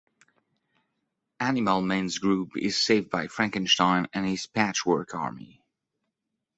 Animal Man's group is saved by Frankenstein and his Patchwork Army.